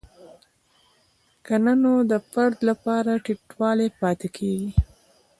که نه نو د فرد لپاره ټیټوالی پاتې کیږي.